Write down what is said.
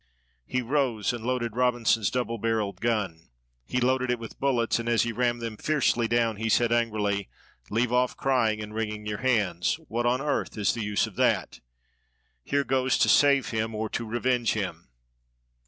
He rose and loaded Robinson's double barreled gun; he loaded it with bullets, and, as he rammed them fiercely down, he said angrily: "Leave off crying and wringing your hands; what on earth is the use of that? here goes to save him or to revenge him."